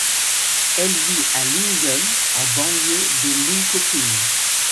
Elle vit à Linghem, en banlieue de Linköping.